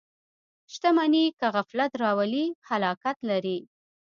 • شتمني که غفلت راولي، هلاکت لري.